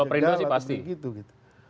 kalau perindo pasti